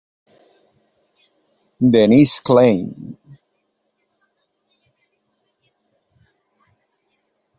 Denise Klein.